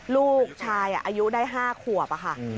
ลูกชายอ่ะอายุได้๕ขวบอ่ะค่ะ